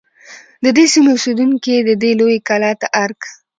د دې سیمې اوسیدونکي دی لویې کلا ته ارگ